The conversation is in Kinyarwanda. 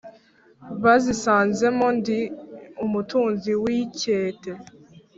bazisanze mo ndi umutunzi w’ikete